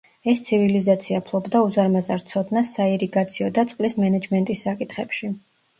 ეს ცივილიზაცია ფლობდა უზარმაზარ ცოდნას საირიგაციო და წყლის მენეჯმენტის საკითხებში.